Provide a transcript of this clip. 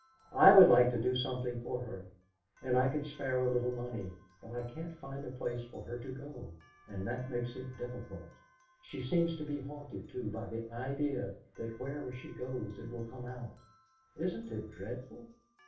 I would like to do something for her, and I could spare a little money, but I can't find a place for her to go, and that makes it difficult. She seems to be haunted, too, by the idea that wherever she goes it will come out. Isn't it dreadful?